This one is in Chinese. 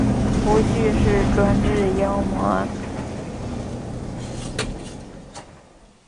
夫婿是专注妖怪事迹的日本作家。